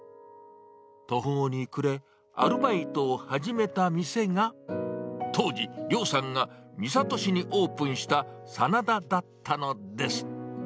途方に暮れ、アルバイトを始めた店が、当時、亮さんが三郷市にオープンしたさなだだったのです。